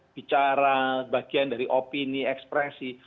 bicara bagian dari opini ekspresi